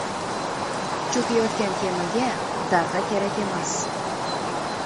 • Cho‘kayotgan kemaga darg‘a kerak emas.